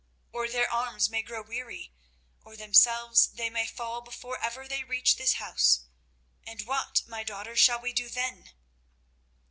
Or their arms may grow weary, or themselves they may fall before ever they reach this house—and what, my daughters, shall we do then?"